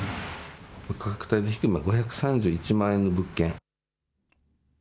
価格帯にして５３１万円の物件。